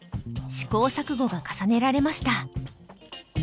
試行錯誤が重ねられました。